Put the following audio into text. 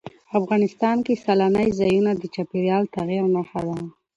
افغانستان کې سیلانی ځایونه د چاپېریال د تغیر نښه ده.